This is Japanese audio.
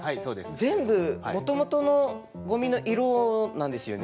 全部もともとのゴミの色なんですよね。